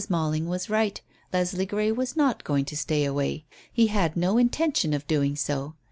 Malling was right, Leslie Grey was not going to stay away. He had no intention of doing so.